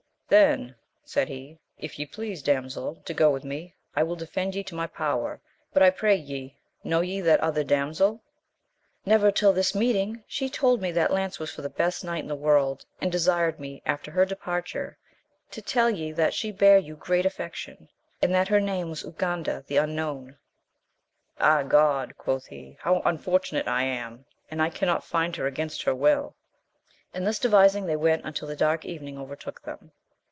Then, said he, if ye please, damsel, to go with me, I will defend ye to my power ; but I pray ye, know ye that other damsel 1 Never till this meet ing : she told me that lance was for the best knight in the world ; and desired me, after her departure, to tell ye that she bare you great aflTection, and that her name was Urganda the Unknown. Ah God ! quoth he, how unfortunate I am ! and I cannot find her against her will ! And thus devising they went until the dark evening overtook them.